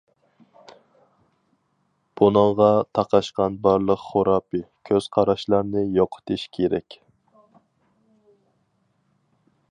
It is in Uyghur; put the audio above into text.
بۇنىڭغا تاقاشقان بارلىق خۇراپىي كۆز قاراشلارنى يوقىتىش كېرەك.